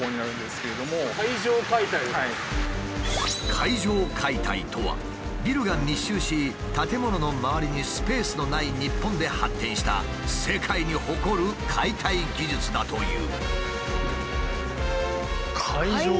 階上解体とはビルが密集し建物の周りにスペースのない日本で発展した世界に誇る解体技術だという。